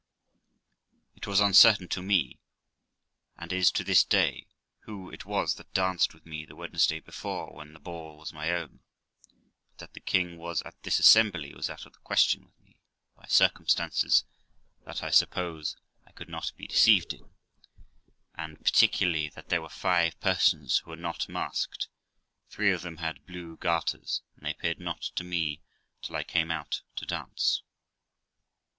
It was uncertain to me, and is to this day, who it was that danced with me the Wednesday before, when the ball was my own; but that the king was at this assembly was out of question with me, by circumstances that, I suppose, I could not be deceived in, and particularly that there were five persons who were not masked; three of them had blue garters, and they appeared not to me till I came out to dance.